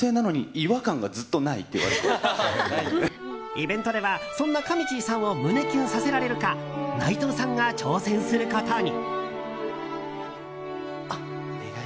イベントではそんな、かみちぃさんを胸キュンさせられるか内藤さんが挑戦することに。